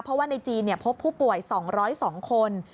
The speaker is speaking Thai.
เพราะว่าในจีนพบผู้ป่วย๒๐๒คน